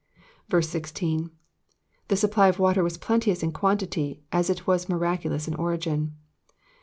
16. The supply of water was as plenteous in quantity as it was miraculous in origin.